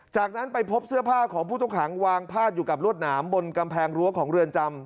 จากนั้นไปพบเสื้อผ้าของผู้ต้องขังวางพาดอยู่กับรวดหนามบนกำแพงรั้วของเรือนจำ